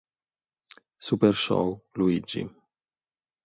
Super Show: Luigi.